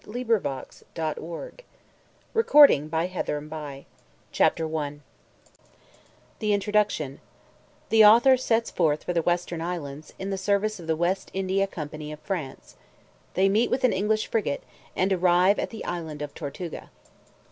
_ THE PIRATES OF PANAMA THE BUCCANEERS OF AMERICA CHAPTER I _The introduction The author sets forth for the Western islands, in the service of the West India Company of France They meet with an English frigate, and arrive at the Island of Tortuga.